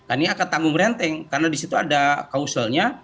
ini akan tamu merenteng karena disitu ada kauselnya